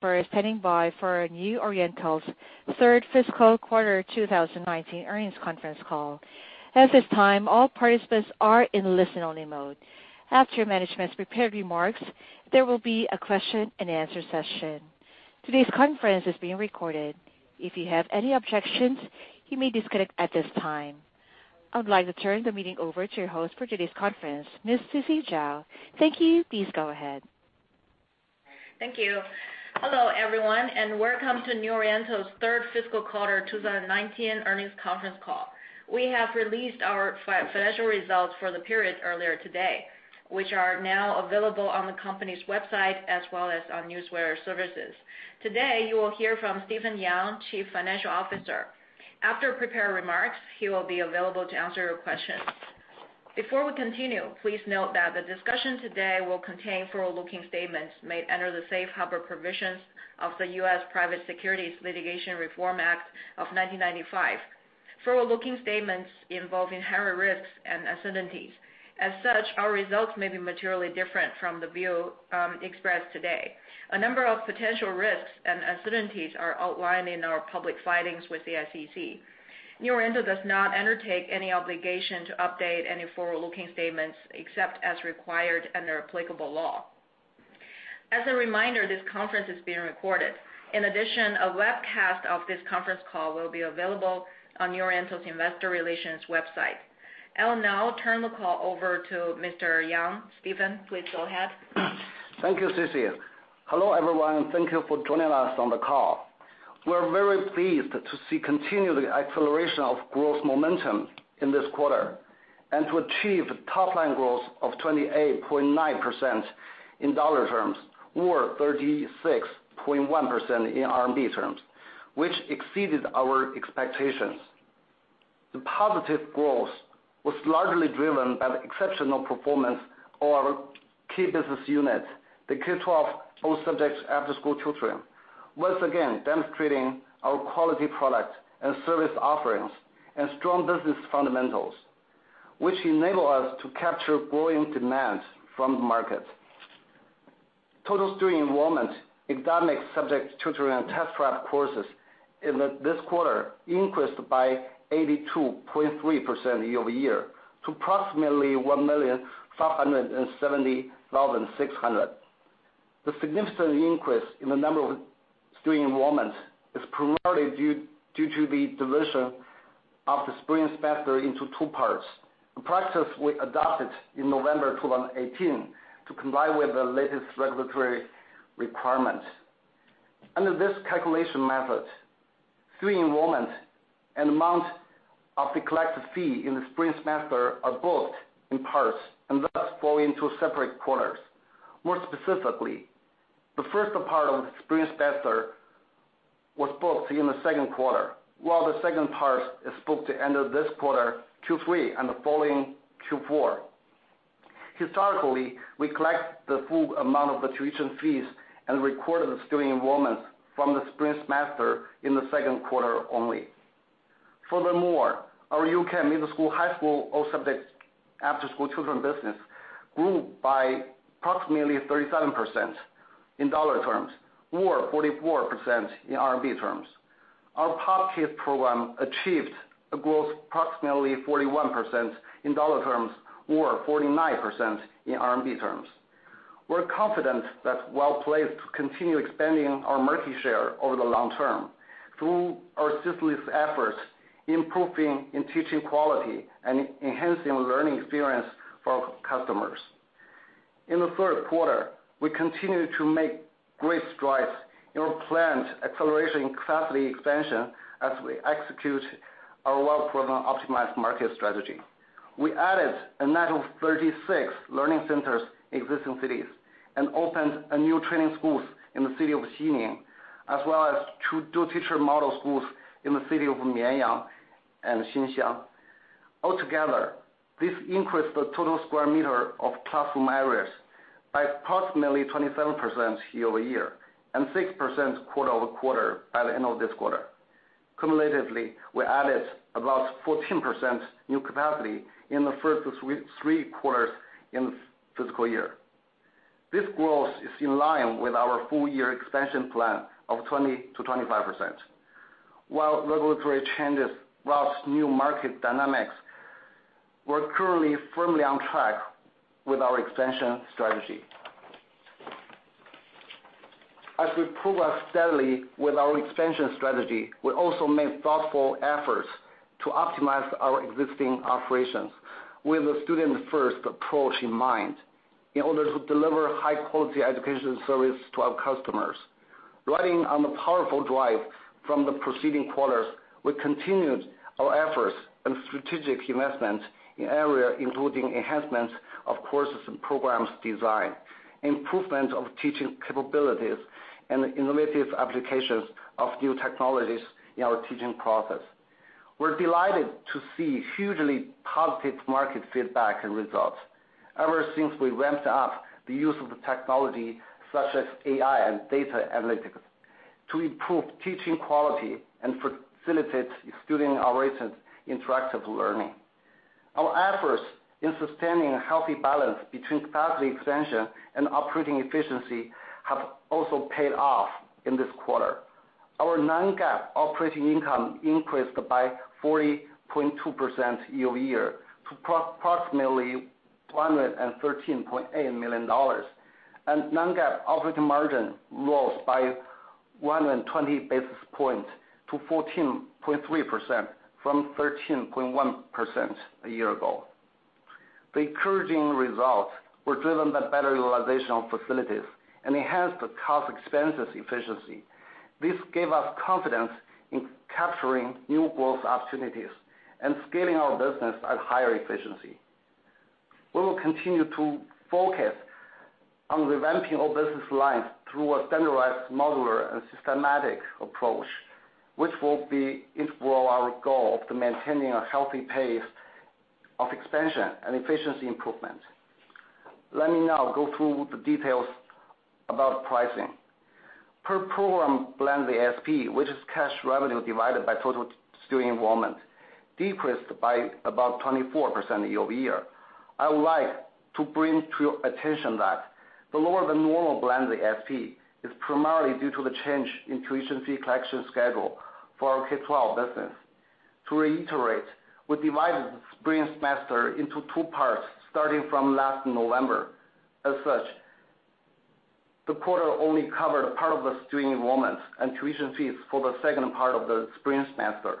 For standing by for New Oriental's third fiscal quarter 2019 earnings conference call. At this time, all participants are in listen-only mode. After management's prepared remarks, there will be a question and answer session. Today's conference is being recorded. If you have any objections, you may disconnect at this time. I would like to turn the meeting over to your host for today's conference, Ms. Sisi Zhao. Thank you. Please go ahead. Thank you. Hello, everyone. Welcome to New Oriental's third fiscal quarter 2019 earnings conference call. We have released our financial results for the period earlier today, which are now available on the company's website as well as on newswire services. Today, you will hear from Stephen Yang, Chief Financial Officer. After prepared remarks, he will be available to answer your questions. Before we continue, please note that the discussion today will contain forward-looking statements made under the safe harbor provisions of the U.S. Private Securities Litigation Reform Act of 1995. Forward-looking statements involve inherent risks and uncertainties. Such, our results may be materially different from the view expressed today. A number of potential risks and uncertainties are outlined in our public filings with the SEC. New Oriental does not undertake any obligation to update any forward-looking statements, except as required under applicable law. A reminder, this conference is being recorded. In addition, a webcast of this conference call will be available on New Oriental's investor relations website. I'll now turn the call over to Mr. Yang. Stephen, please go ahead. Thank you, Sisi. Hello, everyone. Thank you for joining us on the call. We're very pleased to see continued acceleration of growth momentum in this quarter, to achieve top line growth of 28.9% in dollar terms or 36.1% in RMB terms, which exceeded our expectations. The positive growth was largely driven by the exceptional performance of our key business unit, the K-12 all subjects after-school tutoring. Once again, demonstrating our quality product and service offerings and strong business fundamentals, which enable us to capture growing demands from the market. Total student enrollment, academic subject tutoring, and test prep courses in this quarter increased by 82.3% year-over-year to approximately 1,570,600. The significant increase in the number of student enrollments is primarily due to the division of the spring semester into two parts. A practice we adopted in November 2018 to comply with the latest regulatory requirement. Under this calculation method, student enrollment and amount of the collected fee in the spring semester are booked in parts and thus fall into separate quarters. More specifically, the first part of spring semester was booked in the second quarter, while the second part is booked end of this quarter, Q3, and the following Q4. Historically, we collect the full amount of the tuition fees and record the student enrollments from the spring semester in the second quarter only. Furthermore, our U-Can middle school, high school, all subjects after-school tutoring business grew by approximately 37% in dollar terms or 44% in RMB terms. Our top tier program achieved a growth approximately 41% in dollar terms or 49% in RMB terms. We're confident that we're well-placed to continue expanding our market share over the long term through our ceaseless efforts improving in teaching quality and enhancing learning experience for our customers. In the third quarter, we continued to make great strides in our planned acceleration capacity expansion as we execute our well-proven optimized market strategy. We added a net of 36 learning centers in existing cities and opened a new training school in the city of Xining, as well as two dual-teacher model schools in the city of Mianyang and Xinxiang. Altogether, this increased the total sq m of classroom areas by approximately 27% year-over-year and 6% quarter-over-quarter by the end of this quarter. Cumulatively, we added about 14% new capacity in the first three quarters in the fiscal year. This growth is in line with our full year expansion plan of 20%-25%. While regulatory changes, whilst new market dynamics, we're currently firmly on track with our expansion strategy. As we progress steadily with our expansion strategy, we also make thoughtful efforts to optimize our existing operations with a student-first approach in mind in order to deliver high-quality education service to our customers. Riding on the powerful drive from the preceding quarters, we continued our efforts and strategic investment in area including enhancements of courses and programs design, improvement of teaching capabilities, and innovative applications of new technologies in our teaching process. We're delighted to see hugely positive market feedback and results ever since we ramped up the use of the technology such as AI and data analytics to improve teaching quality and facilitate student-oriented interactive learning. Our efforts in sustaining a healthy balance between capacity expansion and operating efficiency have also paid off in this quarter. Our non-GAAP operating income increased by 40.2% year-over-year to approximately $113.8 million, and non-GAAP operating margin rose by 120 basis points to 14.3% from 13.1% a year ago. The encouraging results were driven by better utilization of facilities and enhanced the cost expenses efficiency. This gave us confidence in capturing new growth opportunities and scaling our business at higher efficiency. We will continue to focus on revamping our business lines through a standardized, modular, and systematic approach, which will be integral to our goal of maintaining a healthy pace of expansion and efficiency improvement. Let me now go through the details about pricing. Per program blended ASP, which is cash revenue divided by total student enrollment, decreased by about 24% year-over-year. I would like to bring to your attention that the lower than normal blended ASP is primarily due to the change in tuition fee collection schedule for our K-12 business. To reiterate, we divided the spring semester into two parts starting from last November. As such, the quarter only covered a part of the student enrollment and tuition fees for the second part of the spring semester.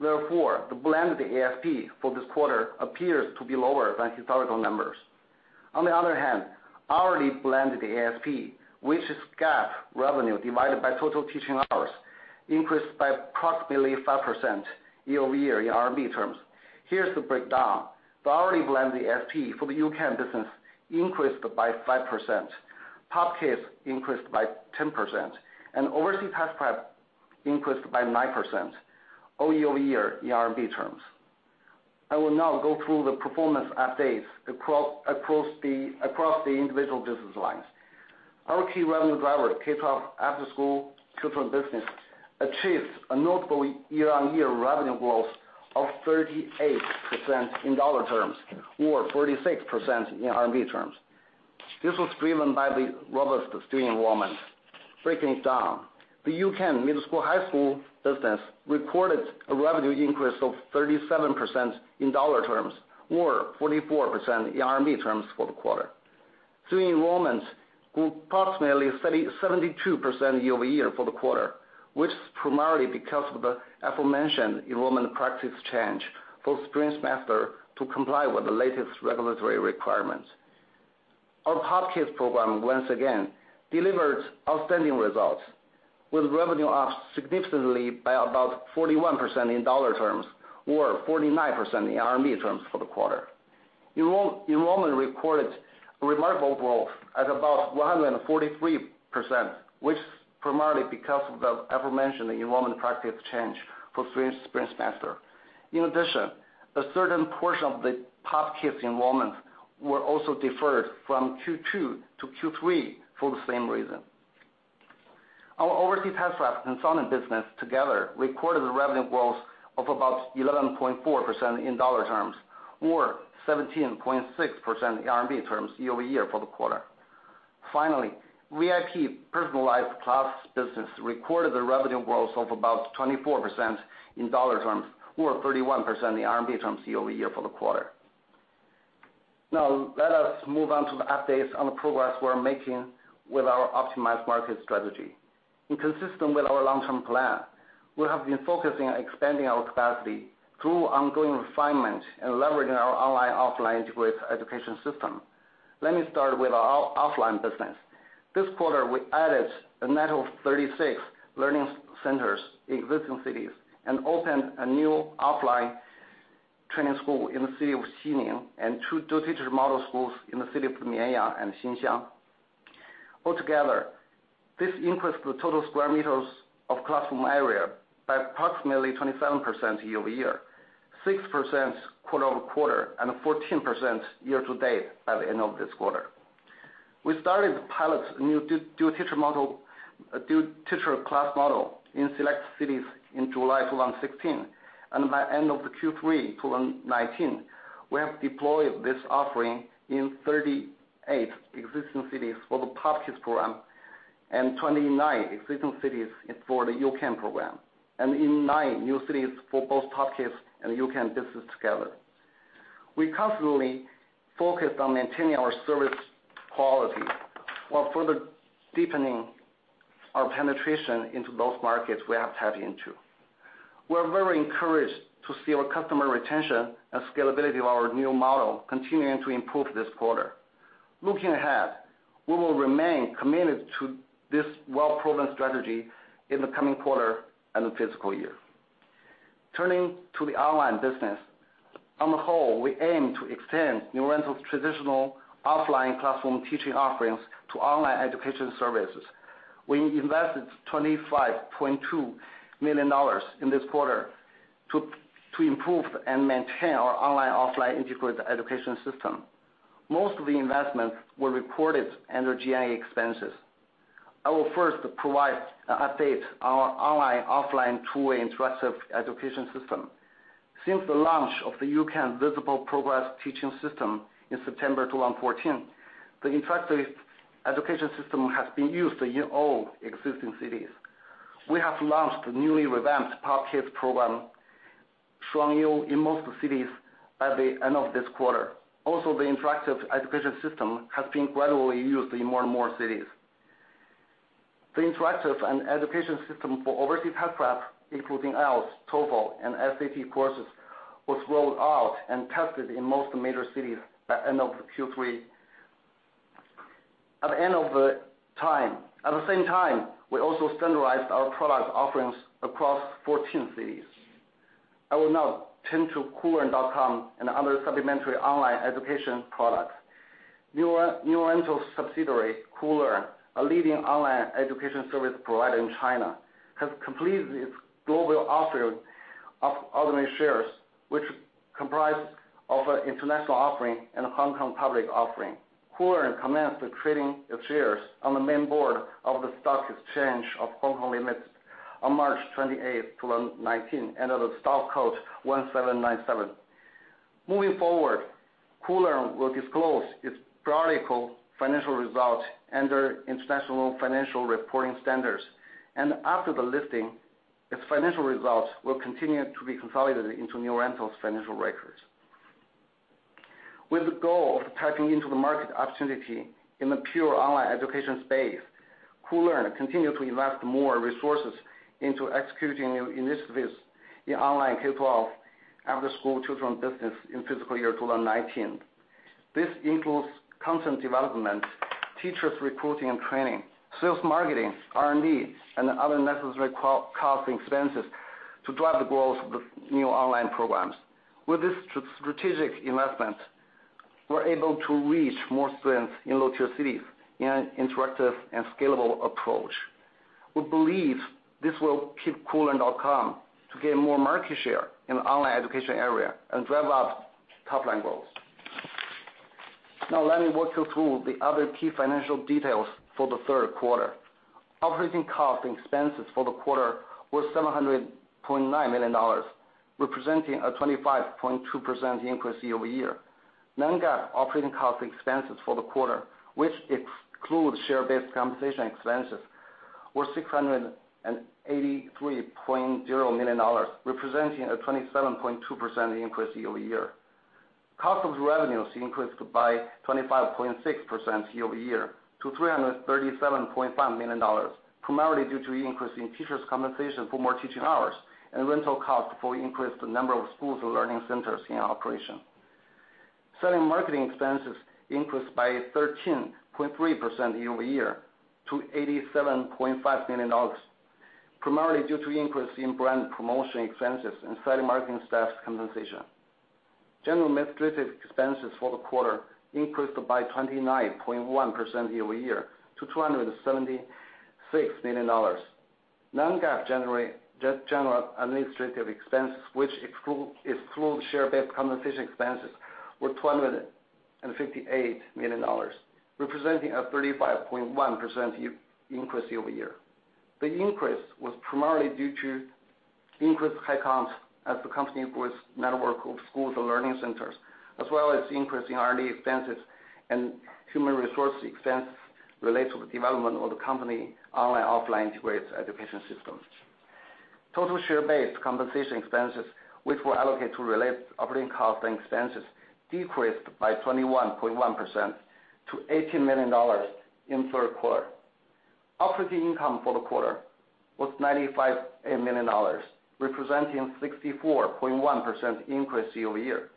Therefore, the blended ASP for this quarter appears to be lower than historical numbers. On the other hand, hourly blended ASP, which is GAAP revenue divided by total teaching hours, increased by approximately 5% year-over-year in RMB terms. Here's the breakdown. The hourly blended ASP for the U.K. business increased by 5%. Pop Kids increased by 10%, and Overseas Test-Prep increased by 9% year-over-year in RMB terms. I will now go through the performance updates across the individual business lines. Our key revenue driver, K-12 after-school tutoring business, achieved a notable year-over-year revenue growth of 38% in dollar terms or 36% in RMB terms. This was driven by the robust student enrollment. Breaking it down, the U-Can middle school, high school business recorded a revenue increase of 37% in dollar terms or 44% in RMB terms for the quarter. Student enrollment grew approximately 72% year-over-year for the quarter, which is primarily because of the aforementioned enrollment practice change for spring semester to comply with the latest regulatory requirements. Our Pop Kids program once again delivered outstanding results, with revenue up significantly by about 41% in dollar terms or 49% in RMB terms for the quarter. Enrollment recorded remarkable growth at about 143%, which is primarily because of the aforementioned enrollment practice change for spring semester. In addition, a certain portion of the Pop Kids enrollments were also deferred from Q2 to Q3 for the same reason. Our Overseas Test-Prep and Consulting business together recorded a revenue growth of about 11.4% in dollar terms or 17.6% in RMB terms year-over-year for the quarter. Finally, VIP personalized class business recorded a revenue growth of about 24% in dollar terms or 31% in RMB terms year-over-year for the quarter. Now, let us move on to the updates on the progress we're making with our optimized market strategy. Consistent with our long-term plan, we have been focusing on expanding our capacity through ongoing refinement and leveraging our online, offline integrated education system. Let me start with our offline business. This quarter, we added a net of 36 learning centers in existing cities and opened a new offline training school in the city of Xining and two dual-teacher model schools in the city of Mianyang and Xinxiang. Altogether, this increased the total square meters of classroom area by approximately 27% year-over-year, 6% quarter-over-quarter, and 14% year-to-date by the end of this quarter. We started to pilot a new dual-teacher class model in select cities in July 2016, and by end of the Q3 2019, we have deployed this offering in 38 existing cities for the Pop Kids program and 29 existing cities for the U.K. program, and in nine new cities for both Pop Kids and U.K. business together. We constantly focused on maintaining our service quality while further deepening our penetration into those markets we have tapped into. We are very encouraged to see our customer retention and scalability of our new model continuing to improve this quarter. Looking ahead, we will remain committed to this well-proven strategy in the coming quarter and the fiscal year. Turning to the online business. On the whole, we aim to extend New Oriental's traditional offline classroom teaching offerings to online education services. We invested $25.2 million in this quarter to improve and maintain our online, offline integrated education system. Most of the investments were reported under G&A expenses. I will first provide an update on our online, offline two-way interactive education system. Since the launch of the U-Can Visible Progress teaching system in September 2014, the interactive education system has been used in all existing cities. We have launched the newly revamped Pop Kids program, Shuangyu, in most cities by the end of this quarter. The interactive education system has been gradually used in more and more cities. The interactive education system for Overseas Test-Prep, including IELTS, TOEFL, and SAT courses, was rolled out and tested in most major cities by end of Q3. At the same time, we also standardized our product offerings across 14 cities. I will now turn to Koolearn.com and other supplementary online education products. New Oriental subsidiary, Koolearn, a leading online education service provider in China, has completed its global offering of ordinary shares, which comprise of an international offering and a Hong Kong public offering. Koolearn commenced the trading of shares on the main board of The Stock Exchange of Hong Kong Limited on March 28, 2019, under the stock code 1797. Moving forward, Koolearn will disclose its periodical financial results under international financial reporting standards. After the listing, its financial results will continue to be consolidated into New Oriental's financial records. With the goal of tapping into the market opportunity in the pure online education space, Koolearn continued to invest more resources into executing new initiatives in online K-12 after-school children business in fiscal year 2019. This includes content development, teachers recruiting and training, sales marketing, R&D, and other necessary cost expenses to drive the growth of the new online programs. With this strategic investment, we're able to reach more students in lower tier cities in an interactive and scalable approach. We believe this will keep Koolearn.com to gain more market share in the online education area and drive up top-line growth. Let me walk you through the other key financial details for the third quarter. Operating costs and expenses for the quarter were $700.9 million, representing a 25.2% increase year-over-year. Non-GAAP operating cost expenses for the quarter, which excludes share-based compensation expenses, were $683.0 million, representing a 27.2% increase year-over-year. Cost of revenues increased by 25.6% year-over-year to $337.5 million, primarily due to increase in teachers' compensation for more teaching hours and rental cost for increased number of schools and learning centers in operation. Selling marketing expenses increased by 13.3% year-over-year to $87.5 million, primarily due to increase in brand promotion expenses and selling marketing staff compensation. General and administrative expenses for the quarter increased by 29.1% year-over-year to $276 million. Non-GAAP general and administrative expenses, which exclude share-based compensation expenses, were $258 million, representing a 35.1% increase year-over-year. The increase was primarily due to increased headcounts as the company grew its network of schools and learning centers, as well as increase in R&D expenses and human resource expense related to the development of the company online, offline integrated education systems. Total share-based compensation expenses, which were allocated to related operating costs and expenses, decreased by 21.1% to $18 million in the third quarter. Operating income for the quarter was $95.8 million, representing 64.1% increase year-over-year.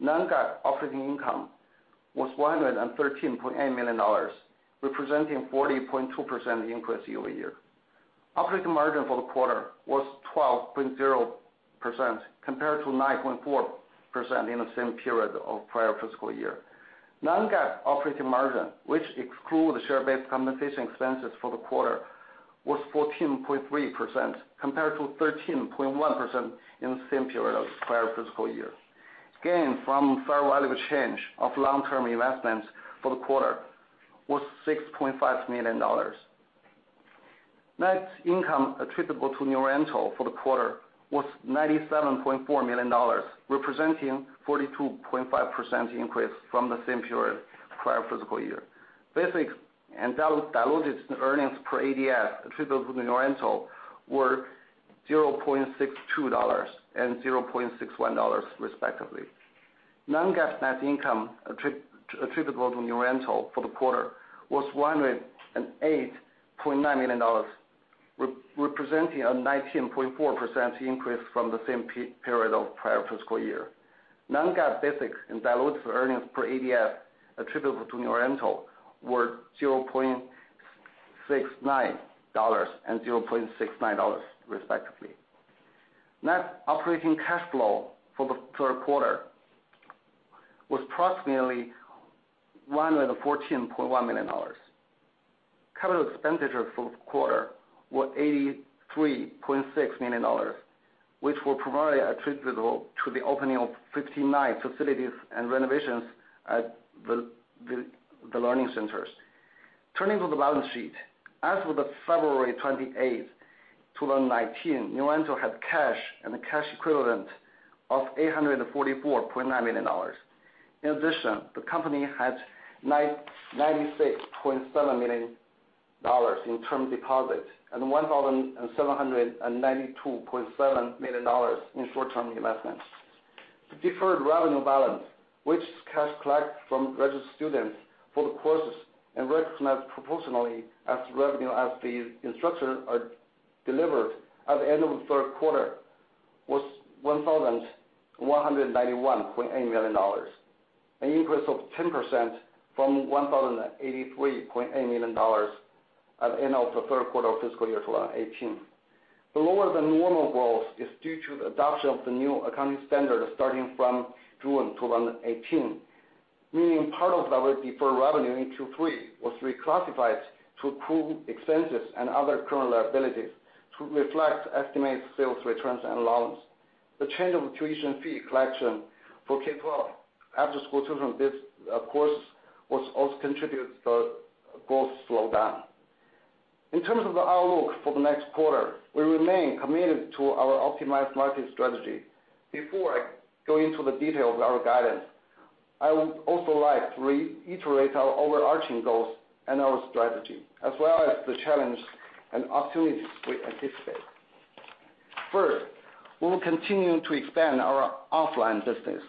Non-GAAP operating income was $113.8 million, representing 40.2% increase year-over-year. Operating margin for the quarter was 12.0% compared to 9.4% in the same period of prior fiscal year. Non-GAAP operating margin, which exclude share-based compensation expenses for the quarter, was 14.3% compared to 13.1% in the same period of prior fiscal year. Gain from fair value change of long-term investments for the quarter was $6.5 million. Net income attributable to New Oriental for the quarter was $97.4 million, representing 42.5% increase from the same period prior fiscal year. Basic and diluted earnings per ADS attributable to New Oriental were $0.62 and $0.61 respectively. Non-GAAP net income attributable to New Oriental for the quarter was $108.9 million, representing a 19.4% increase from the same period of prior fiscal year. Non-GAAP basics and diluted earnings per ADS attributable to New Oriental were $0.69 and $0.69 respectively. Net operating cash flow for the third quarter was approximately $114.1 million. Capital expenditures for the quarter were $83.6 million. Which will provide attributable to the opening of 59 facilities and renovations at the learning centers. Turning to the balance sheet. As of February 28th, 2019, New Oriental had cash and cash equivalent of $844.9 million. In addition, the company had $96.7 million in term deposits and $1,792.7 million in short-term investments. The deferred revenue balance, which is cash collected from registered students for the courses and recognized proportionally as revenue as the instruction are delivered at the end of the third quarter, was $1,191.8 million, an increase of 10% from $1,083.8 million at the end of the third quarter of fiscal year 2018. The lower than normal growth is due to the adoption of the new accounting standard starting from June 2018, meaning part of our deferred revenue in Q3 was reclassified to accrued expenses and other current liabilities to reflect estimated sales returns and allowance. The change of tuition fee collection for K-12 after-school children courses also contributes to the growth slowdown. In terms of the outlook for the next quarter, we remain committed to our optimized market strategy. Before I go into the details of our guidance, I would also like to reiterate our overarching goals and our strategy, as well as the challenges and opportunities we anticipate. First, we will continue to expand our offline business.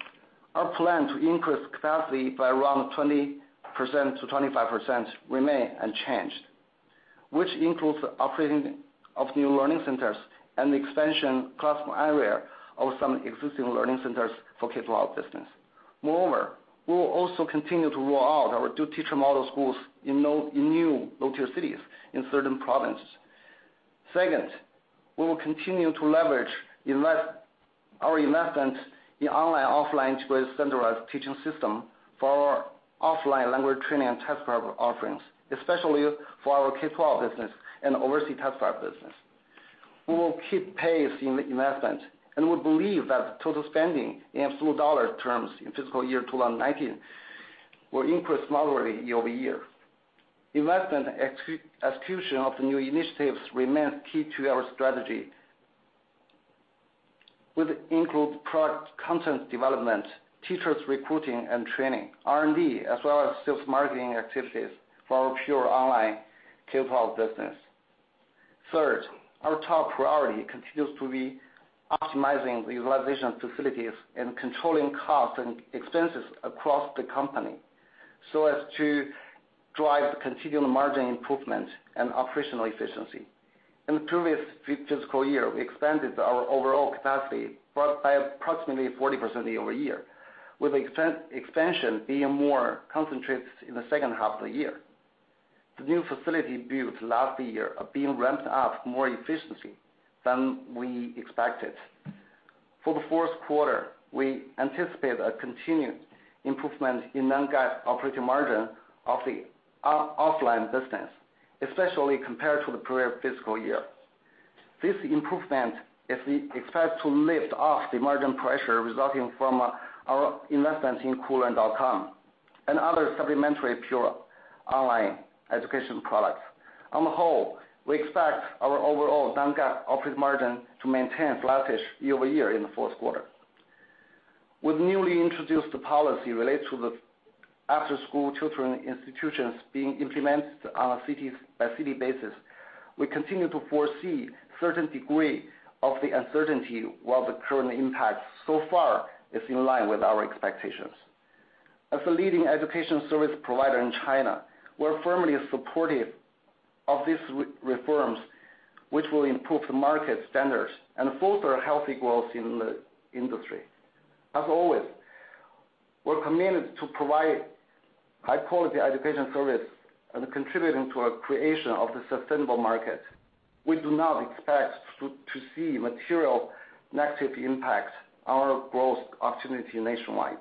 Our plan to increase capacity by around 20%-25% remains unchanged, which includes the opening of new learning centers and the expansion classroom area of some existing learning centers for K-12 business. Moreover, we will also continue to roll out our dual-teacher model schools in new low-tier cities in certain provinces. Second, we will continue to leverage our investment in online/offline integrated centralized teaching system for our offline language training and test prep offerings, especially for our K-12 business and overseas test-prep business. We will keep pace in investment, and we believe that total spending in absolute dollar terms in fiscal year 2019 will increase moderately year-over-year. Investment execution of the new initiatives remains key to our strategy, which includes product content development, teachers recruiting and training, R&D, as well as sales marketing activities for our pure online K-12 business. Our top priority continues to be optimizing the utilization of facilities and controlling costs and expenses across the company so as to drive continual margin improvement and operational efficiency. In the previous fiscal year, we expanded our overall capacity by approximately 40% year-over-year, with expansion being more concentrated in the second half of the year. The new facility built last year are being ramped up more efficiently than we expected. For the fourth quarter, we anticipate a continued improvement in non-GAAP operating margin of the offline business, especially compared to the prior fiscal year. This improvement is expected to lift off the margin pressure resulting from our investment in Koolearn.com and other supplementary pure online education products. On the whole, we expect our overall non-GAAP operating margin to maintain flattish year-over-year in the fourth quarter. With newly introduced policy related to the after-school children institutions being implemented on a city-by-city basis, we continue to foresee a certain degree of the uncertainty, while the current impact so far is in line with our expectations. As a leading education service provider in China, we're firmly supportive of these reforms, which will improve the market standards and foster healthy growth in the industry. As always, we're committed to providing high-quality education service and contributing to a creation of the sustainable market. We do not expect to see material negative impact on our growth opportunity nationwide.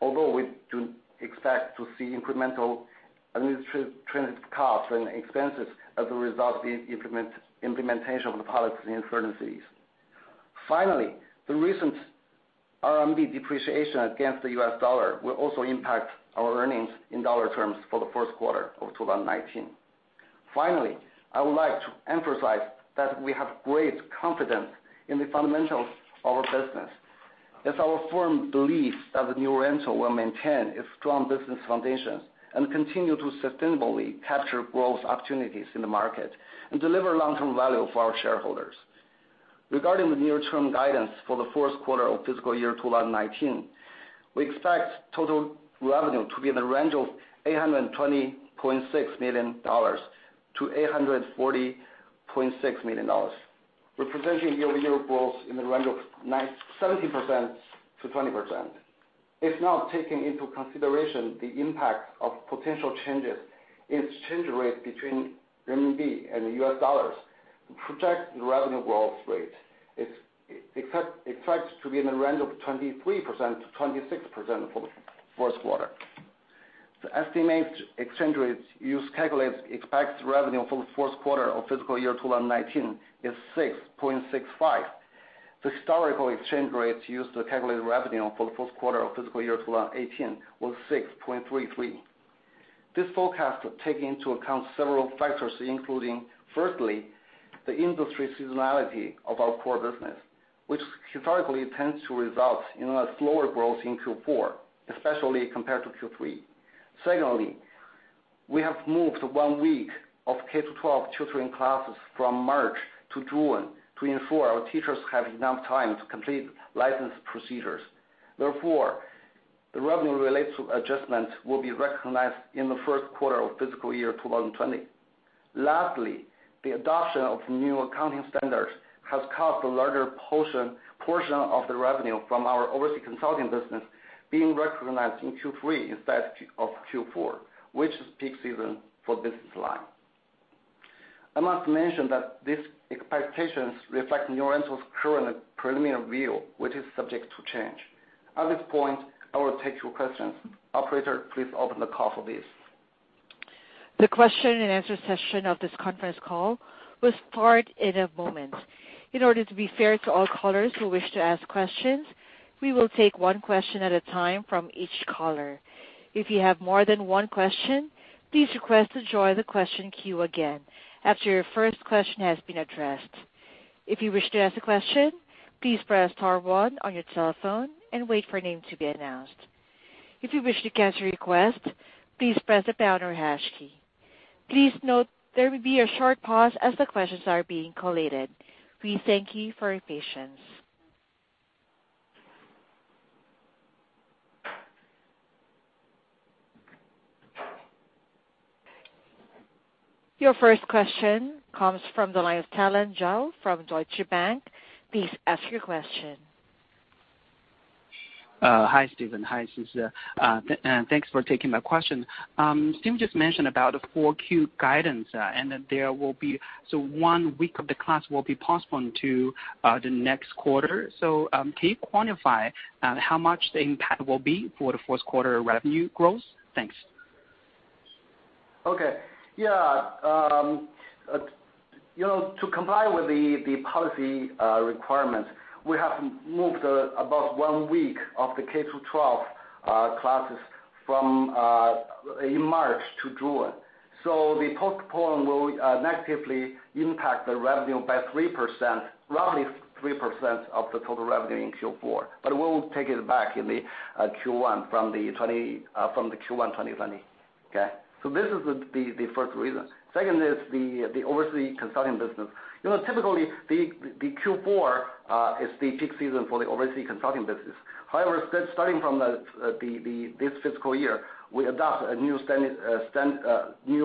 Although we do expect to see incremental administrative costs and expenses as a result of the implementation of the policy in certain cities. Finally, the recent RMB depreciation against the U.S. dollar will also impact our earnings in dollar terms for the first quarter of 2019. Finally, I would like to emphasize that we have great confidence in the fundamentals of our business. It's our firm belief that New Oriental will maintain its strong business foundations and continue to sustainably capture growth opportunities in the market and deliver long-term value for our shareholders. Regarding the near-term guidance for the fourth quarter of fiscal year 2019, we expect total revenue to be in the range of $820.6 million-$840.6 million, representing year-over-year growth in the range of 17%-20%. It's not taking into consideration the impact of potential changes in exchange rate between RMB and the U.S. dollars. The projected revenue growth rate is expected to be in the range of 23%-26% for the first quarter. The estimated exchange rate used to calculate expected revenue for the fourth quarter of fiscal year 2019 is 6.65. The historical exchange rate used to calculate revenue for the fourth quarter of fiscal year 2018 was 6.33. This forecast takes into account several factors, including, firstly, the industry seasonality of our core business, which historically tends to result in a slower growth in Q4, especially compared to Q3. Secondly, we have moved one week of K-12 tutoring classes from March to June to ensure our teachers have enough time to complete license procedures. Therefore, the revenue related to adjustments will be recognized in the first quarter of fiscal year 2020. The adoption of new accounting standards has caused a larger portion of the revenue from our Overseas Study Consulting business being recognized in Q3 instead of Q4, which is peak season for this line. I must mention that these expectations reflect New Oriental's current preliminary view, which is subject to change. At this point, I will take your questions. Operator, please open the call for this. The question and answer session of this conference call will start in a moment. In order to be fair to all callers who wish to ask questions, we will take one question at a time from each caller. If you have more than one question, please request to join the question queue again after your first question has been addressed. If you wish to ask a question, please press star one on your telephone and wait for your name to be announced. If you wish to cancel your request, please press the pound or hash key. Please note there will be a short pause as the questions are being collated. We thank you for your patience. Your first question comes from the line of Tallan Zhou from Deutsche Bank. Please ask your question. Hi, Stephen. Hi, Sisi. Thanks for taking my question. Stephen just mentioned about the 4Q guidance, and that there will be one week of the class will be postponed to the next quarter. Can you quantify how much the impact will be for the first quarter revenue growth? Thanks. To comply with the policy requirements, we have moved about one week of the K-12 classes from in March to June. The postponement will negatively impact the revenue by 3%, roughly 3% of the total revenue in Q4. We will take it back in the Q1 from the Q1 2020. This is the first reason. Second is the Overseas Study Consulting business. Typically, the Q4 is the peak season for the Overseas Study Consulting business. However, starting from this fiscal year, we adopt new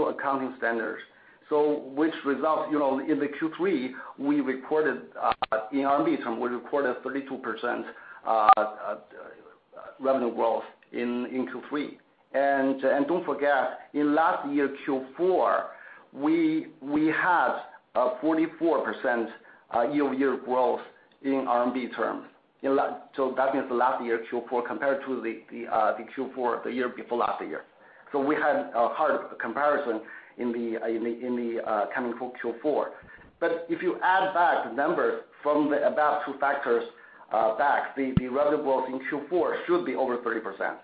accounting standards. Which results in the Q3, we reported in CNY term, we reported 32% revenue growth in Q3. Don't forget, in last year Q4, we had a 44% year-over-year growth in CNY terms. That means the last year Q4 compared to the Q4, the year before last year. We had a hard comparison in the coming Q4. If you add back the numbers from the above two factors back, the revenue growth in Q4 should be over 30%.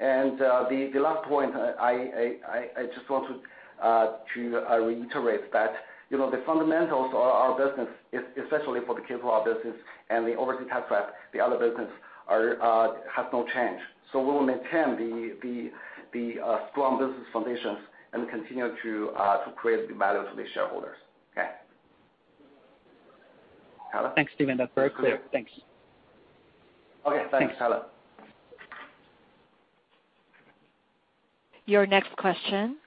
The last point, I just want to reiterate that the fundamentals of our business, especially for the K-12 business and the Overseas Test-Prep, the other business, has not changed. We will maintain the strong business foundations and continue to create the value for the shareholders. Okay. Talan? Thanks, Stephen. That's very clear. Thanks. Okay. Thanks, Talan. Your next question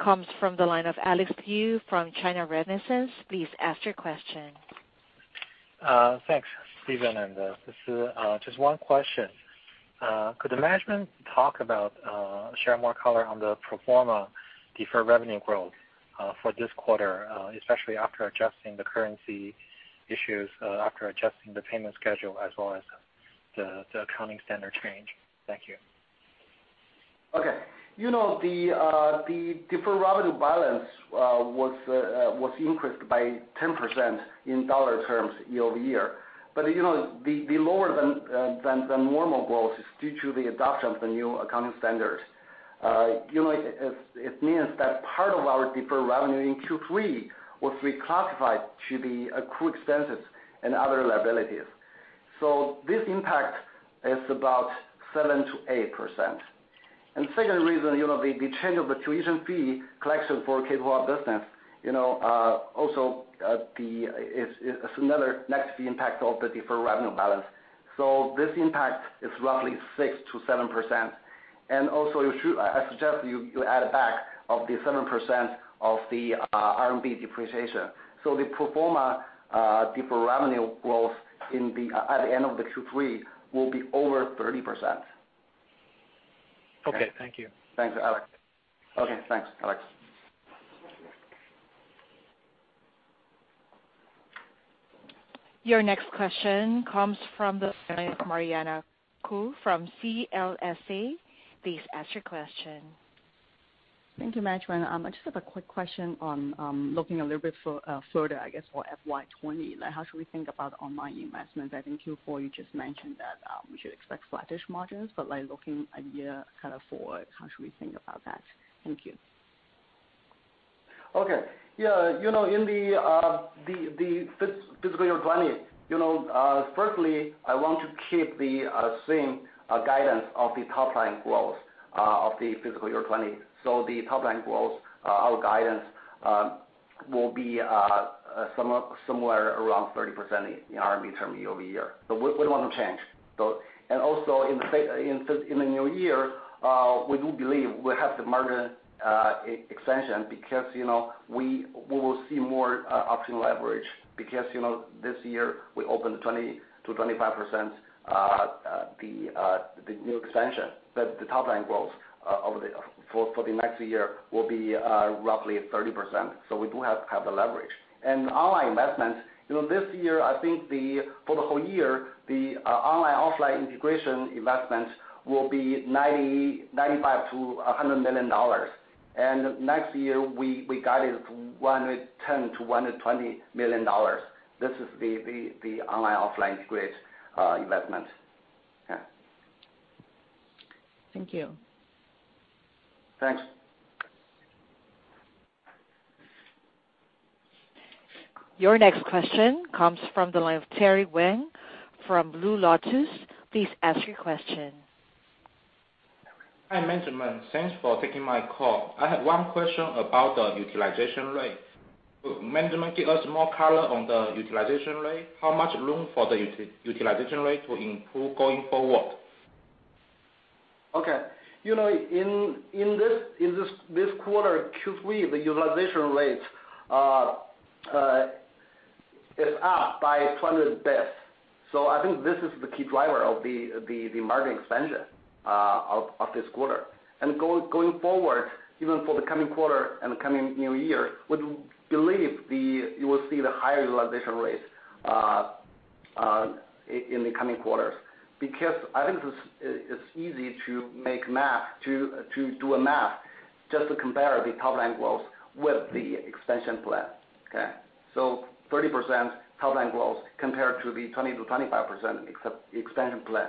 comes from the line of Alex Liu from China Renaissance. Please ask your question. Thanks, Stephen and Sisi. Just one question. Could the management share more color on the pro forma deferred revenue growth for this quarter, especially after adjusting the currency issues, after adjusting the payment schedule as well as the accounting standard change? Thank you. Okay. The deferred revenue balance was increased by 10% in dollar terms year-over-year. The lower than normal growth is due to the adoption of the new accounting standard. It means that part of our deferred revenue in Q3 was reclassified to the accrued expenses and other liabilities. This impact is about 7%-8%. Second reason, the change of the tuition fee collection for K-12 business, also it's another negative impact of the deferred revenue balance. This impact is roughly 6%-7%. Also, I suggest you add back of the 7% of the RMB depreciation. The pro forma deferred revenue growth at the end of the Q3 will be over 30%. Okay. Thank you. Thanks, Alex. Okay, thanks, Alex. Your next question comes from the line of Mariana Kou from CLSA. Please ask your question. Thank you, management. I just have a quick question on looking a little bit further, I guess, for FY 2020. How should we think about online investments? I think Q4, you just mentioned that we should expect flattish margins, looking a year kind of forward, how should we think about that? Thank you. Okay. In the fiscal year 2020, firstly, I want to keep the same guidance of the top line growth of the fiscal year 2020. The top line growth, our guidance will be somewhere around 30% in RMB term year-over-year. We don't want to change. Also in the new year, we do believe we have the margin expansion because we will see more optional leverage because this year we opened 20%-25% the new expansion. The top line growth for the next year will be roughly 30%. We do have the leverage. Online investments, this year, I think for the whole year, the online/offline integration investment will be $95 million-$100 million. Next year, we guide it $110 million-$120 million. This is the online/offline integrated investment. Thank you. Thanks. Your next question comes from the line of Terry Weng from Blue Lotus. Please ask your question. Hi, management. Thanks for taking my call. I have one question about the utilization rate. Management, give us more color on the utilization rate. How much room for the utilization rate to improve going forward? Okay. In this quarter, Q3, the utilization rate is up by 200 basis points. I think this is the key driver of the margin expansion of this quarter. Going forward, even for the coming quarter and the coming new year, we believe you will see the higher utilization rates in the coming quarters. I think it's easy to do a math just to compare the top line growth with the expansion plan. Okay? 30% top line growth compared to the 20%-25% expansion plan.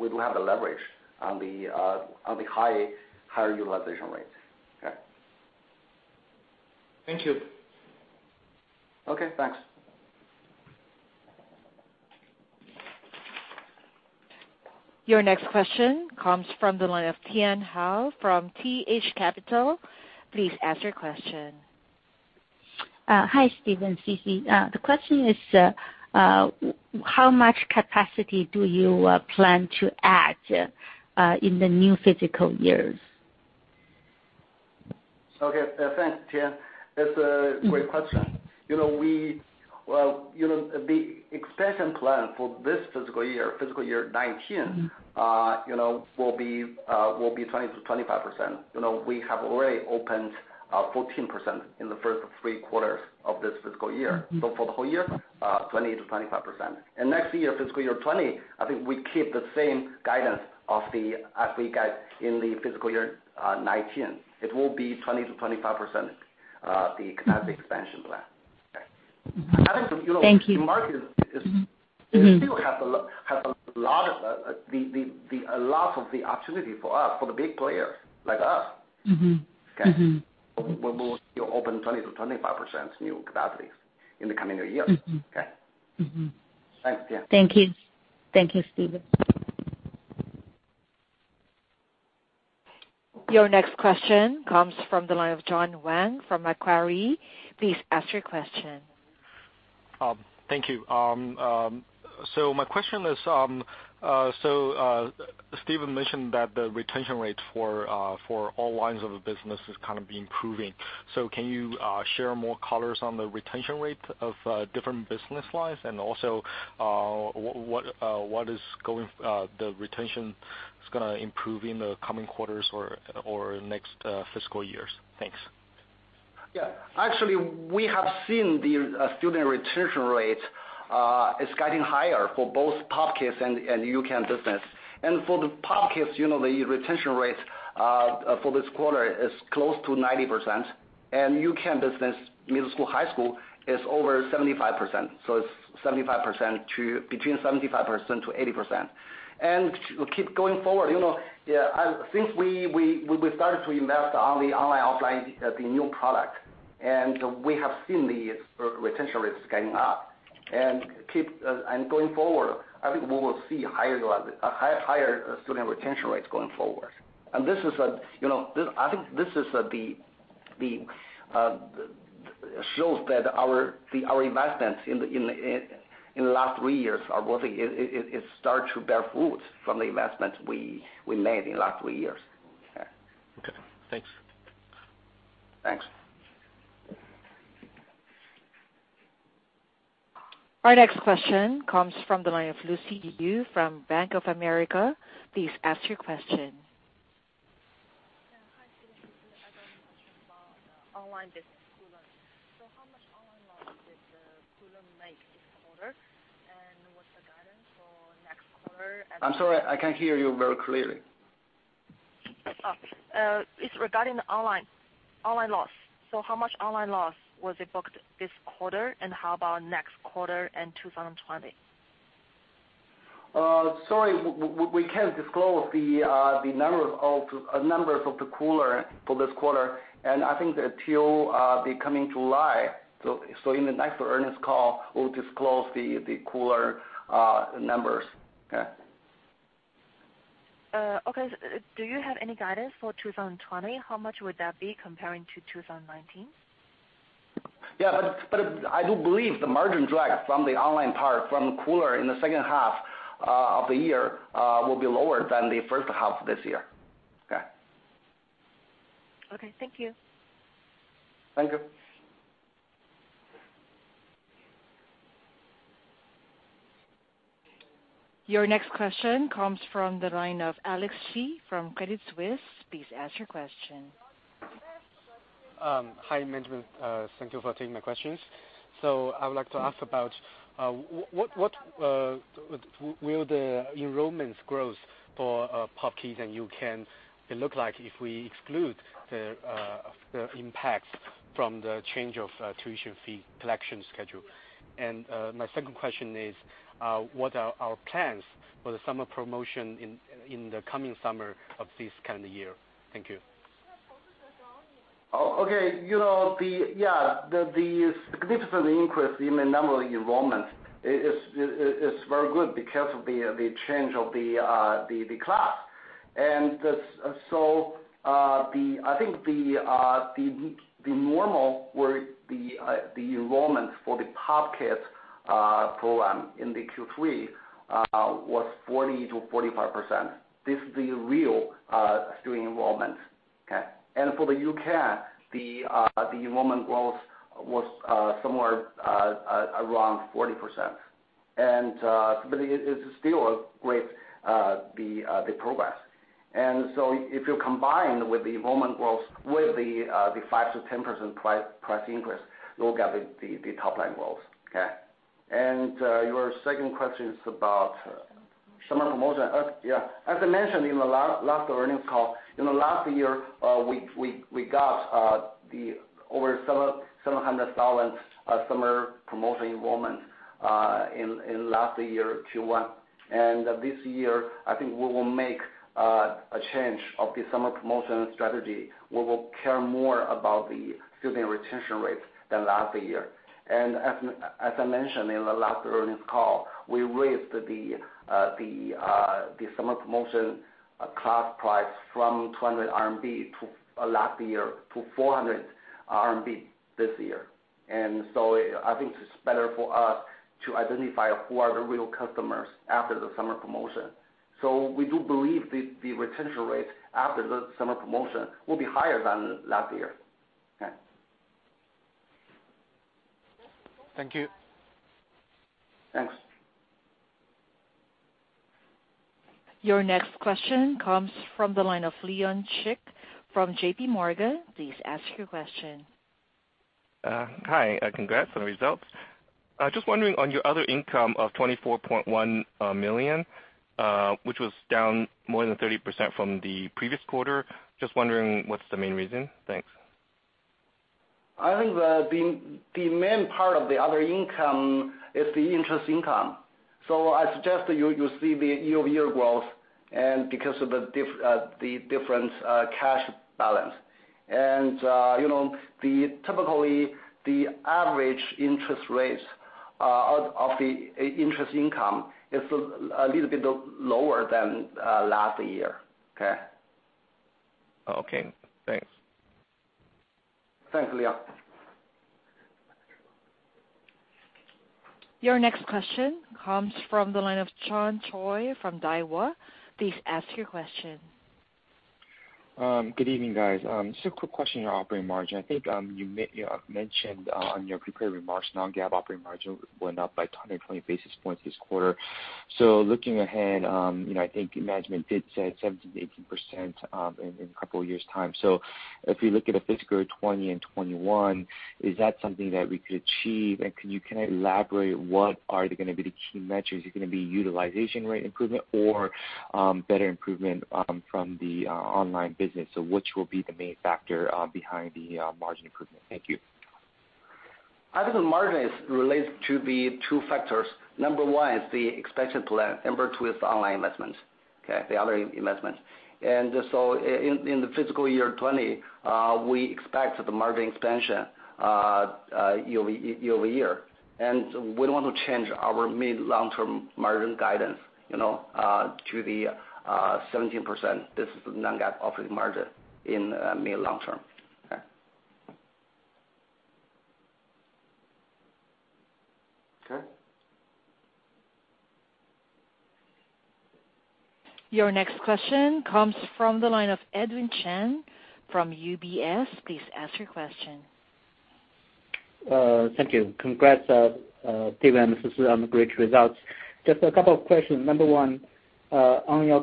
We do have the leverage on the higher utilization rate. Okay. Thank you. Okay, thanks. Your next question comes from the line of Tian Hou from TH Capital. Please ask your question. Hi, Stephen, Sisi. The question is, how much capacity do you plan to add in the new fiscal years? Okay. Thanks, Tian. That's a great question. The expansion plan for this fiscal year, fiscal year 2019, will be 20%-25%. We have already opened 14% in the first three quarters of this fiscal year. For the whole year, 20%-25%. Next year, fiscal year 2020, I think we keep the same guidance as we guide in the fiscal year 2019. It will be 20%-25%, the capacity expansion plan. Okay. Thank you. The market still has a lot of the opportunity for us, for the big players like us. Okay. We will still open 20%-25% new capacities in the coming new year. Okay. Thanks, Tian. Thank you. Thank you, Stephen. Your next question comes from the line of John Wang from Macquarie. Please ask your question. Thank you. My question is, Stephen mentioned that the retention rate for all lines of the business is kind of improving. Can you share more colors on the retention rate of different business lines? And also, what is the retention that's going to improve in the coming quarters or next fiscal years? Thanks. Yeah. Actually, we have seen the student retention rate is getting higher for both Pop Kids and U-Can business. For the Pop Kids, the retention rate for this quarter is close to 90%, and U-Can business, middle school, high school, is over 75%. It's between 75%-80%. Keep going forward, since we started to invest on the online/offline, the new product, we have seen the retention rates going up. Going forward, I think we will see higher student retention rates going forward. I think this shows that our investments in the last three years are working. It start to bear fruit from the investments we made in last three years. Okay. Okay. Thanks. Thanks. Our next question comes from the line of Lucy Yu from Bank of America. Please ask your question. The online business, Koolearn. How much online loss did Koolearn make this quarter? What's the guidance for next quarter? I'm sorry, I can't hear you very clearly. Oh. It's regarding the online loss. How much online loss was booked this quarter, and how about next quarter and 2020? Sorry, we can't disclose the numbers of the Koolearn for this quarter, and I think until the coming July. In the next earnings call, we'll disclose the Koolearn numbers. Okay? Okay. Do you have any guidance for 2020? How much would that be comparing to 2019? Yeah, I do believe the margin drag from the online part from Koolearn in the second half of the year will be lower than the first half of this year. Okay. Okay. Thank you. Thank you. Your next question comes from the line of Alex Xie from Credit Suisse. Please ask your question. Hi, management. Thank you for taking my questions. I would like to ask about what will the enrollment growth for Pop Kids and U-Can look like if we exclude the impact from the change of tuition fee collection schedule? My second question is, what are our plans for the summer promotion in the coming summer of this calendar year? Thank you. The significant increase in the number of enrollment is very good because of the change of the class. I think the normal where the enrollment for the Pop Kids program in the Q3 was 40%-45%. This is the real student enrollment. For the U-Can, the enrollment growth was somewhere around 40%. It is still a great progress. If you combine with the enrollment growth with the 5%-10% price increase, you'll get the top-line growth. Your second question is about- Summer promotion. Summer promotion. As I mentioned in the last earnings call, in the last year, we got over 700,000 summer promotion enrollment in last year Q1. This year, I think we will make a change of the summer promotion strategy. We will care more about the student retention rate than last year. As I mentioned in the last earnings call, we raised the summer promotion class price from 200 RMB last year to 400 RMB this year. I think it's better for us to identify who are the real customers after the summer promotion. We do believe the retention rate after the summer promotion will be higher than last year. Thank you. Thanks. Your next question comes from the line of Leon Chik from JP Morgan. Please ask your question. Hi. Congrats on the results. Just wondering on your other income of $24.1 million, which was down more than 30% from the previous quarter. Just wondering what's the main reason. Thanks. I think the main part of the other income is the interest income. I suggest you see the year-over-year growth and because of the different cash balance. Typically, the average interest rates of the interest income is a little bit lower than last year. Okay? Okay. Thanks. Thanks, Leon. Your next question comes from the line of John Choi from Daiwa. Please ask your question. Good evening, guys. Just a quick question on your operating margin. I think you mentioned on your prepared remarks, non-GAAP operating margin went up by 120 basis points this quarter. Looking ahead, I think management did say 17%-18% in a couple of years' time. If you look at a fiscal year 2020 and 2021, is that something that we could achieve? And can you kind of elaborate what are going to be the key metrics? Are they going to be utilization rate improvement or better improvement from the online business? Which will be the main factor behind the margin improvement? Thank you. I think the margin is related to the two factors. Number one is the expansion plan. Number two is the online investments. Okay. The other investments. In the fiscal year 2020, we expect the margin expansion year-over-year. We don't want to change our mid, long-term margin guidance to the 17%. This is non-GAAP operating margin in mid, long-term. Okay. Okay. Your next question comes from the line of Edwin Chen from UBS. Please ask your question. Thank you. Congrats, Stephen and [Sisi], on the great results. Just a couple of questions. Number one, on your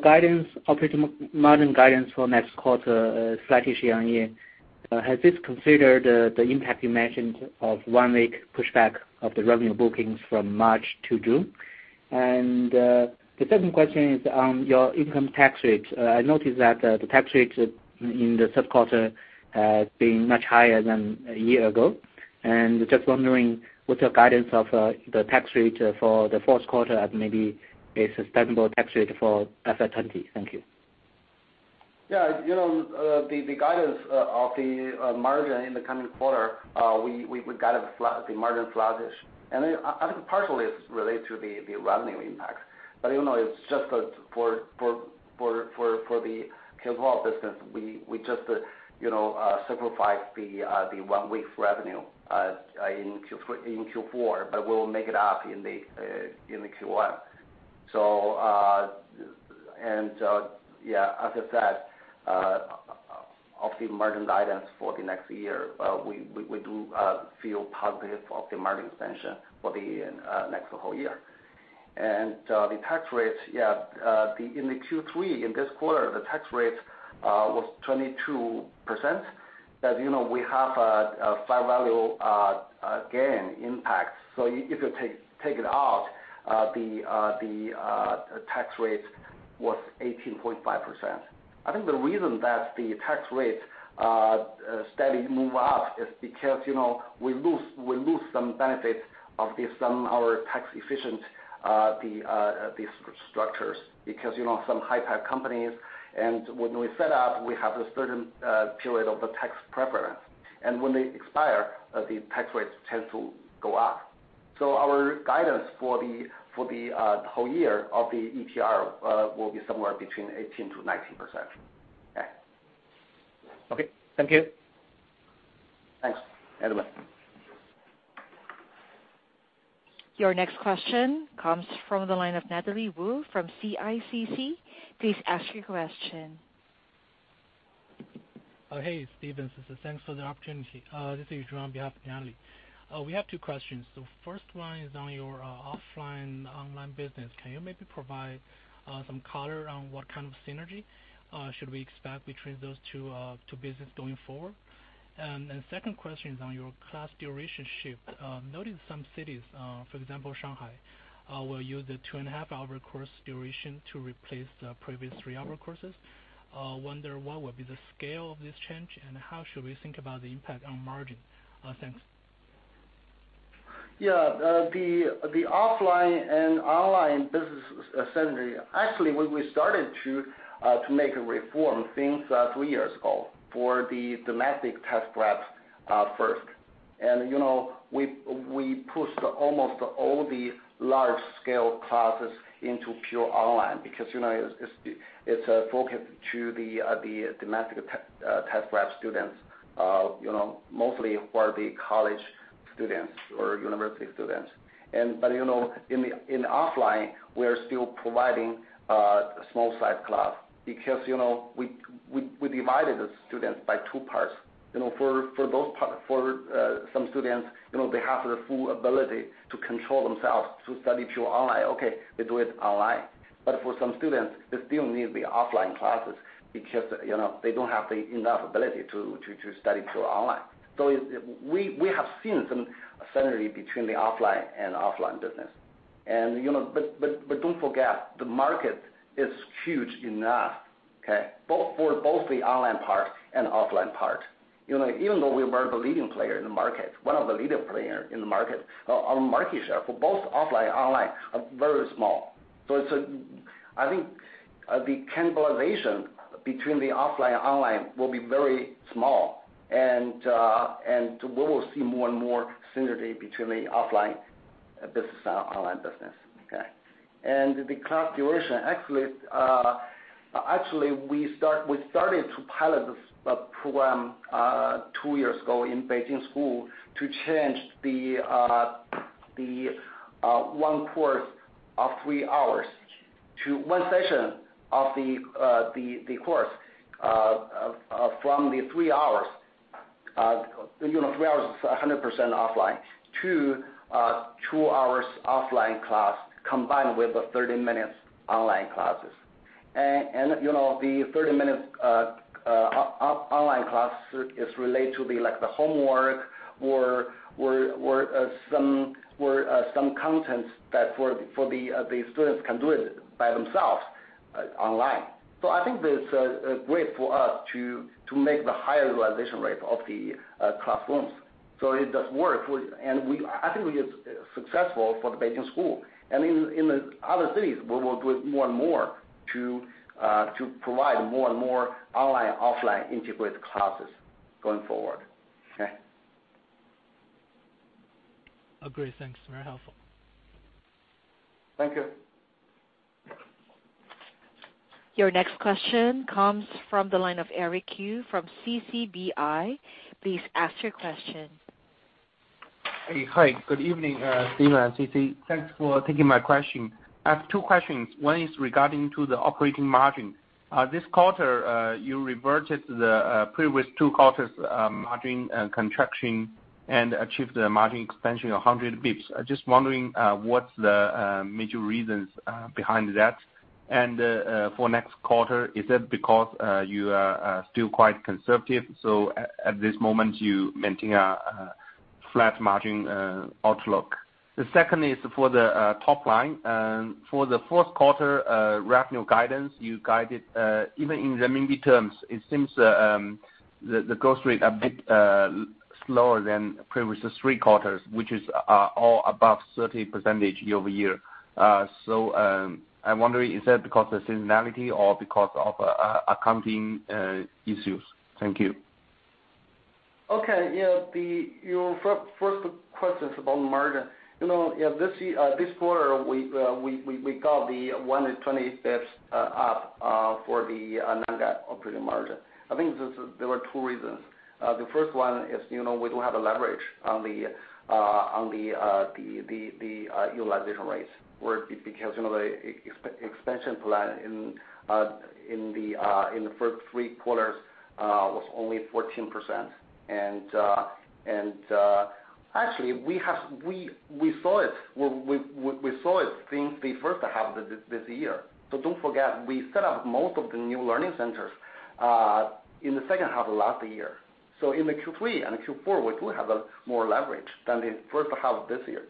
operating margin guidance for next quarter, slightish year-on-year. Has this considered the impact you mentioned of one week pushback of the revenue bookings from March to June? The second question is on your income tax rate. I noticed that the tax rate in the third quarter has been much higher than a year ago. Just wondering what's your guidance of the tax rate for the fourth quarter and maybe a sustainable tax rate for FY 2020. Thank you. The guidance of the margin in the coming quarter, we guide the margin slightish. I think partially it's related to the revenue impact. Even though it's just for the K-12 business, we just sacrificed the one week revenue in Q4, we'll make it up in the Q1. Yeah, as I said, of the margin guidance for the next year, we do feel positive of the margin expansion for the next whole year. The tax rate, yeah, in the Q3, in this quarter, the tax rate was 22%. As you know, we have a fair value gain impact. If you take it out, the tax rate was 18.5%. I think the reason that the tax rate steadily move up is because we lose some benefits of some our tax efficient structures, because some high tech companies, when we set up, we have a certain period of the tax preference. When they expire, the tax rates tend to go up. Our guidance for the whole year of the ETR will be somewhere between 18%-19%. Okay. Thank you. Thanks, Edwin. Your next question comes from the line of Natalie Wu from CICC. Please ask your question. Hey, Stephen. This is Zhu on behalf of Natalie. We have two questions. First one is on your offline, online business. Can you maybe provide some color on what kind of synergy should we expect between those two business going forward? Second question is on your class duration shift. Noted some cities for example, Shanghai, will use the two and a half hour course duration to replace the previous three-hour courses. Wonder what will be the scale of this change, and how should we think about the impact on margin? Thanks. The offline and online business synergy, actually, we started to make a reform since three years ago for the domestic test-preps first. We pushed almost all the large-scale classes into pure online because it's focused to the domestic test-prep students, mostly who are the college students or university students. In offline, we are still providing small-size class because we divided the students by two parts. For some students, they have the full ability to control themselves to study pure online, okay, they do it online. For some students, they still need the offline classes because they don't have the enough ability to study pure online. We have seen some synergy between the offline and online business. Don't forget, the market is huge enough, okay? For both the online part and offline part. Even though we are the leading player in the market, one of the leading player in the market, our market share for both offline, online, are very small. I think the cannibalization between the offline, online will be very small, and we will see more and more synergy between the offline business and online business. Okay. The class duration, actually, we started to pilot this program two years ago in Beijing school to change the one course of three hours to one session of the course from the three hours, 100% offline, to two hours offline class combined with the 30 minutes online classes. The 30 minutes online class is related to the homework or some contents that the students can do it by themselves online. I think this is great for us to make the higher realization rate of the classrooms. It does work, and I think we are successful for the Beijing school. In the other cities, we will do it more and more to provide more and more online, offline integrated classes going forward. Okay. Agreed. Thanks. Very helpful. Thank you. Your next question comes from the line of Eric Qiu from CCBI. Please ask your question. Hey. Hi. Good evening, Stephen and Sisi. Thanks for taking my question. I have two questions. One is regarding to the operating margin. This quarter, you reverted the previous two quarters margin contraction and achieved the margin expansion of 100 basis points. For next quarter, is it because you are still quite conservative, so at this moment you maintain a flat margin outlook? The second is for the top line. For the fourth quarter revenue guidance, you guided, even in renminbi terms, it seems the growth rate a bit slower than previous three quarters, which is all above 30% year-over-year. I am wondering, is that because of seasonality or because of accounting issues? Thank you. Okay. Your first question is about margin. This quarter, we got the 120 basis points up for the non-GAAP operating margin. I think there were two reasons. The first one is we do have a leverage on the utilization rates, because expansion plan in the first three quarters was only 14%. Actually, we saw it since the first half of this year. Don't forget, we set up most of the new learning centers in the second half of last year. In the Q3 and Q4, we do have more leverage than the first half of this year.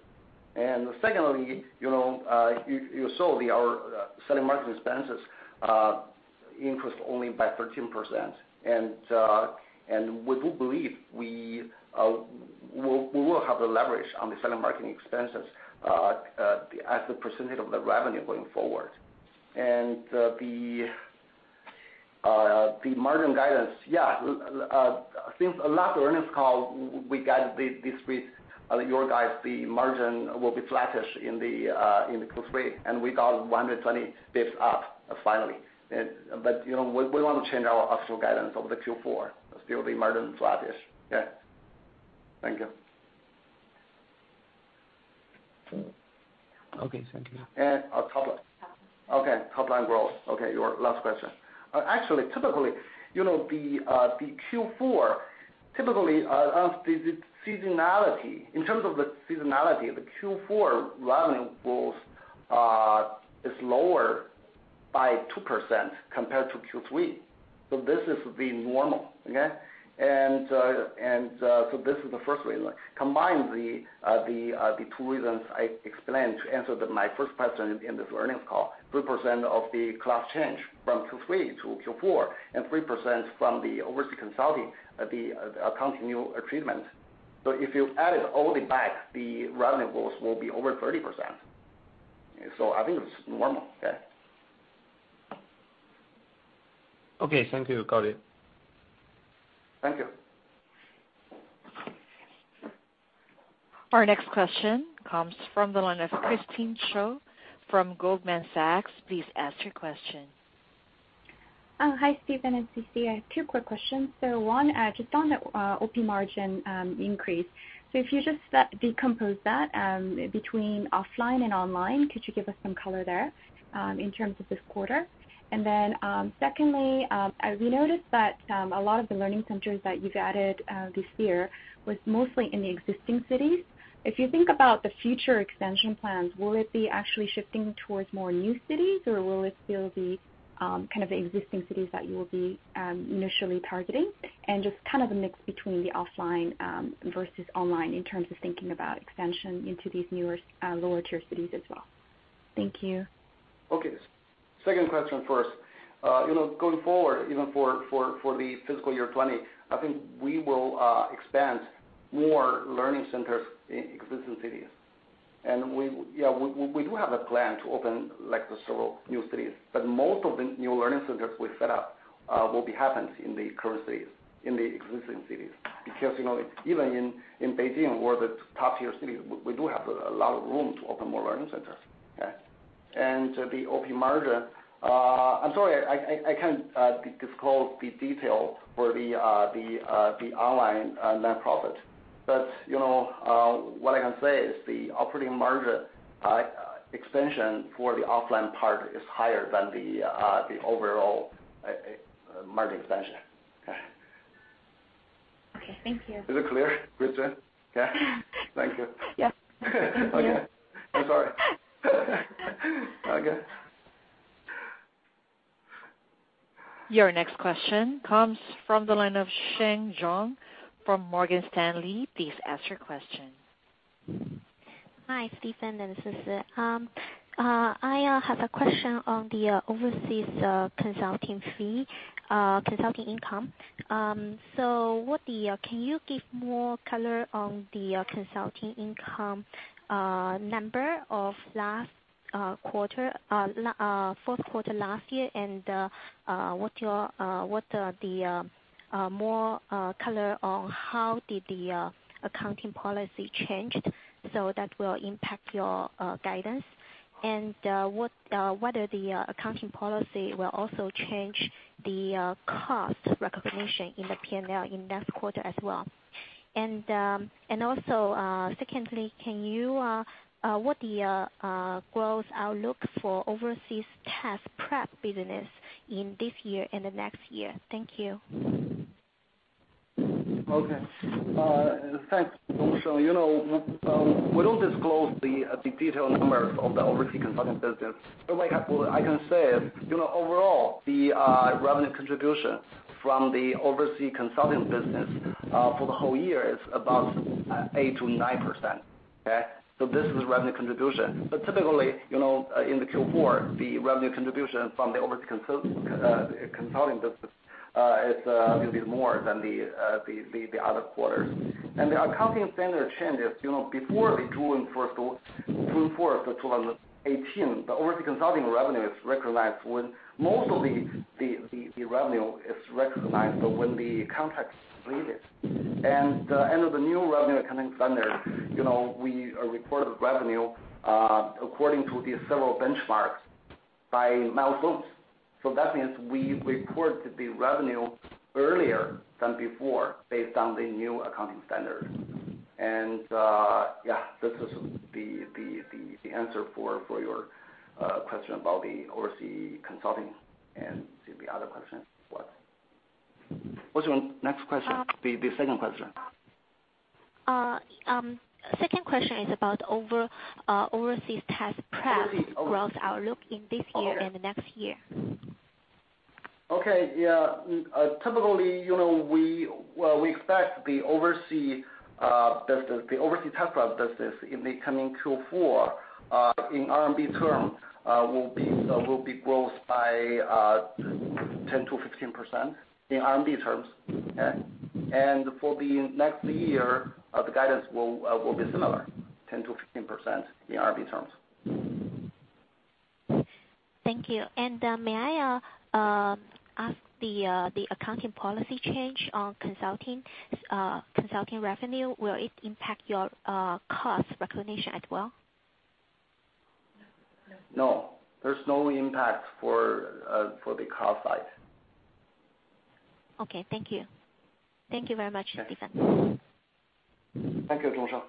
Secondly, you saw our selling margin expenses increased only by 13%. We do believe we will have the leverage on the selling marketing expenses as a percentage of the revenue going forward. The margin guidance, yeah. Since the last earnings call, we guided this week, your guys, the margin will be flattish in the Q3, and we got 120 basis points up finally. We won't change our actual guidance over the Q4. It'll still be margin flattish. Yeah. Thank you. Okay. Thank you. Oh, top line. Top line. Okay, top line growth. Okay, your last question. Actually, typically, the Q4, typically, in terms of the seasonality, the Q4 revenue growth is lower by 2% compared to Q3. This is the normal, okay? This is the first reason. Combine the two reasons I explained to answer my first question in this earnings call, 3% of the class change from Q3 to Q4, and 3% from the overseas consulting, the accounting new treatment. If you added all it back, the revenue growth will be over 30%. I think it's normal. Yeah. Okay. Thank you. Got it. Thank you. Our next question comes from the line of Christine Cho from Goldman Sachs. Please ask your question. Hi, Stephen and Sisi. I have two quick questions. One, just on OP margin increase. If you just decompose that between offline and online, could you give us some color there in terms of this quarter? Secondly, we noticed that a lot of the learning centers that you've added this year was mostly in the existing cities. If you think about the future expansion plans, will it be actually shifting towards more new cities, or will it still be kind of the existing cities that you will be initially targeting? Just kind of a mix between the offline versus online in terms of thinking about expansion into these newer lower tier cities as well. Thank you. Okay. Second question first. Going forward, even for the fiscal year 2020, I think we will expand more learning centers in existing cities. We do have a plan to open several new cities, but most of the new learning centers we set up will be happened in the existing cities. Even in Beijing, where the top tier cities, we do have a lot of room to open more learning centers. Yeah. The OP margin. I'm sorry, I can't disclose the detail for the online net profit. What I can say is the operating margin expansion for the offline part is higher than the overall margin expansion. Yeah. Okay. Thank you. Is it clear, Christine? Yeah. Thank you. Yeah. Okay. I'm sorry. Okay. Your next question comes from the line of Sheng Zhong from Morgan Stanley. Please ask your question. Hi, Stephen and Sisi. I have a question on the overseas consulting fee, consulting income. Can you give more color on the consulting income number of fourth quarter last year? What are the more color on how did the accounting policy changed, so that will impact your guidance? Whether the accounting policy will also change the cost recognition in the P&L in next quarter as well. Also, secondly, what the growth outlook for overseas test-prep business in this year and the next year? Thank you. Okay. Thanks, Sheng Zhong. We don't disclose the detailed numbers of the overseas consulting business. What I can say is, overall, the revenue contribution from the overseas consulting business for the whole year is about 8%-9%. Okay? This is revenue contribution. Typically, in the Q4, the revenue contribution from the overseas consulting business is a little bit more than the other quarters. The accounting standard changes, before the June 4th, 2018, the overseas consulting revenue is recognized when most of the revenue is recognized, when the contract is completed. Under the new revenue accounting standard, we report revenue according to the several benchmarks by milestones. That means we report the revenue earlier than before based on the new accounting standard. This is the answer for your question about the overseas consulting and the other question. What's your next question, the second question? Second question is about Overseas Test-Prep- Overseas. -growth outlook in this year and the next year. Okay. Yeah. Typically, we expect the overseas test-prep business in the coming Q4, in RMB terms, will be growth by 10%-15%, in RMB terms. Okay? For the next year, the guidance will be similar, 10%-15% in RMB terms. Thank you. May I ask the accounting policy change on overseas study consulting revenue, will it impact your cost recognition as well? No. There's no impact for the cost side. Okay. Thank you. Thank you very much, Stephen. Thank you, Sheng Zhong.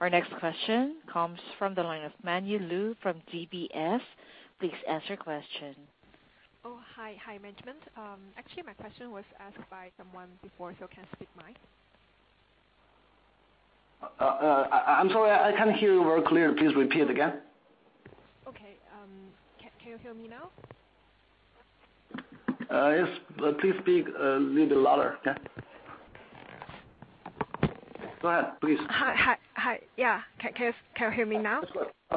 Our next question comes from the line of Manyi Lu from DBS. Please ask your question. Oh, hi. Hi, management. Actually, my question was asked by someone before, can skip mine. I'm sorry, I can't hear you very clear. Please repeat again. Okay. Can you hear me now? Yes. Please speak a little bit louder. Okay? Go ahead, please. Hi. Yeah. Can you hear me now? That's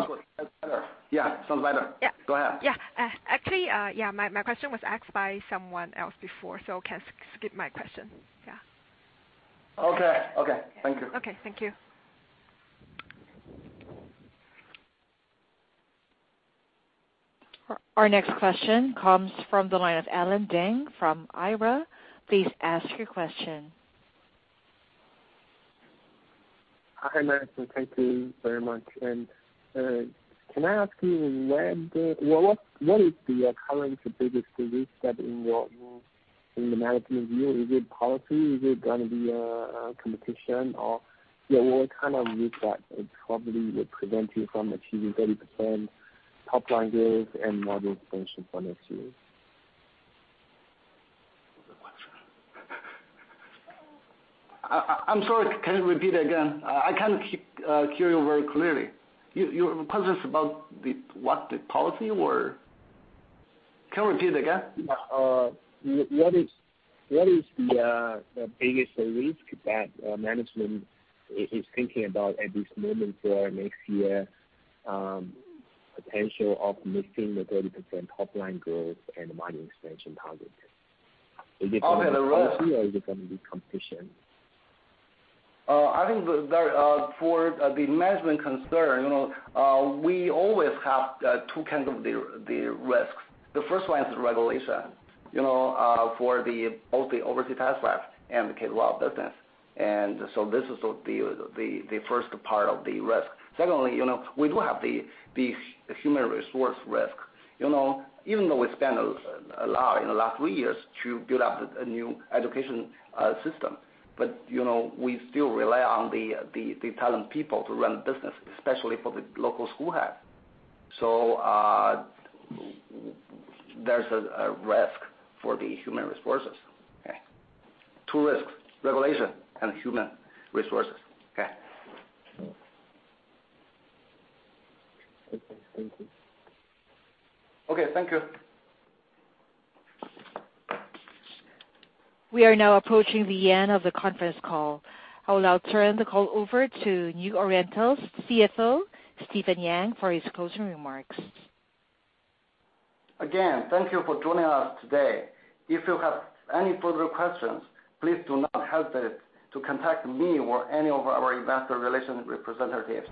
good. Sounds better. Yeah. Sounds better. Yeah. Go ahead. Yeah. Actually, my question was asked by someone else before, so can skip my question. Yeah. Okay. Thank you. Okay. Thank you. Our next question comes from the line of Alan Deng from KIARA. Please ask your question. Hi, management. Thank you very much. Can I ask you, what is the current biggest risk that in the management view? Is it policy? Is it going to be competition? What kind of risk that probably would prevent you from achieving 30% top line growth and margin expansion for next year? I'm sorry, can you repeat again? I can't hear you very clearly. Your question is about what? Can you repeat again? What is the biggest risk that management is thinking about at this moment for next year, potential of missing the 30% top line growth and margin expansion target? Oh, right policy or is it going to be competition? I think for the management concern, we always have two kinds of the risks. The first one is regulation, for both the Overseas Test-Prep and the K-12 business. This is the first part of the risk. Secondly, we do have the human resource risk. Even though we spent a lot in the last three years to build up a new education system, but we still rely on the talent people to run the business, especially for the local school head. There's a risk for the human resources. Okay? Two risks, regulation and human resources. Okay. Okay. Thank you. Okay. Thank you. We are now approaching the end of the conference call. I will now turn the call over to New Oriental's CFO, Stephen Yang, for his closing remarks. Again, thank you for joining us today. If you have any further questions, please do not hesitate to contact me or any of our investor relations representatives.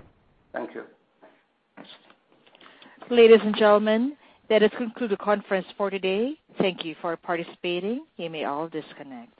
Thank you. Ladies and gentlemen, that is conclude the conference for today. Thank you for participating. You may all disconnect.